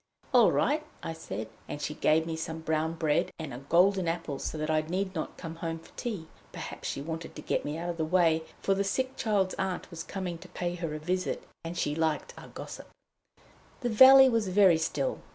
"All right," I said. And she gave me some brown bread and a golden apple, so that I need not come home for tea. Perhaps she wanted to get me out of the way, for the sick child's aunt was coming to pay her a visit, and she liked a gossip. The valley was very still.